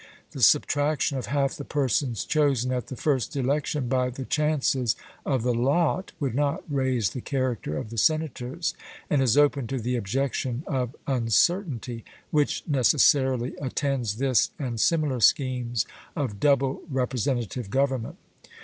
The subtraction of half the persons chosen at the first election by the chances of the lot would not raise the character of the senators, and is open to the objection of uncertainty, which necessarily attends this and similar schemes of double representative government.